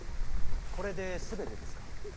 これで全てですか。